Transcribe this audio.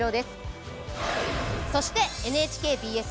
そしてＮＨＫＢＳ